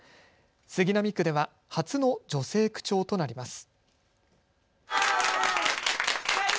杉並区では初の女性区長となります。